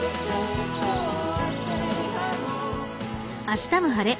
「あしたも晴れ！